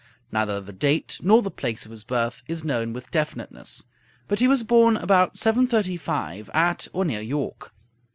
Neither the date nor the place of his birth is known with definiteness, but he was born about 735 at or near York.